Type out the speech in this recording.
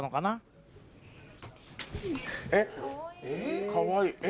えっかわいい。